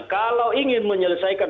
kalau ingin menyelesaikan